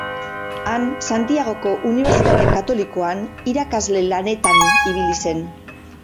Han Santiagoko Unibertsitate Katolikoan irakasle lanetan ibili zen.